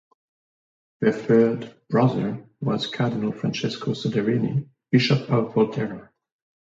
Their third brother was Cardinal Francesco Soderini, bishop of Volterra.